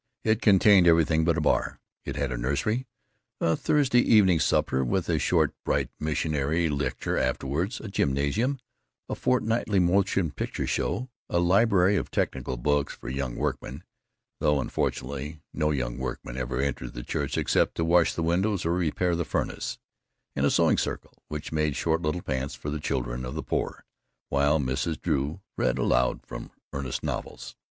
It contained everything but a bar. It had a nursery, a Thursday evening supper with a short bright missionary lecture afterward, a gymnasium, a fortnightly motion picture show, a library of technical books for young workmen though, unfortunately, no young workman ever entered the church except to wash the windows or repair the furnace and a sewing circle which made short little pants for the children of the poor while Mrs. Drew read aloud from earnest novels.